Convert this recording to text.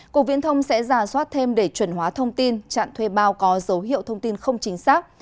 cục viễn thông sẽ giả soát thêm để chuẩn hóa thông tin chặn thuê bao có dấu hiệu thông tin không chính xác